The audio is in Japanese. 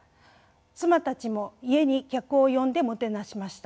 妻たちも家に客を呼んでもてなしました。